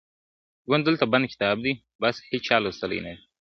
ژوند دلته بند کتاب دی بس هیچا لوستلی نه دی-